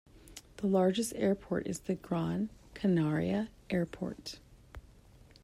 The largest airport is the Gran Canaria Airport.